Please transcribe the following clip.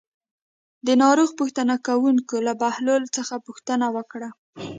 د ناروغ پوښتنه کوونکو له بهلول څخه پوښتنه وکړه.